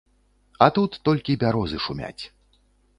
А тут толькі бярозы шумяць.